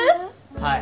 はい。